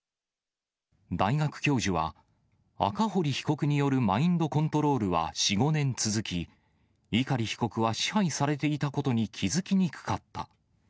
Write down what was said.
大学教授は、赤堀被告によるマインドコントロールは４、５年続き、碇被告は支配されていたことに気付きにくかった。